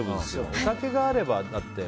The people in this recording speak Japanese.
お酒があればね。